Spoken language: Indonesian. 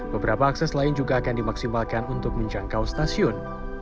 beberapa akses lain juga akan dimaksimalkan untuk menjangkau stasiun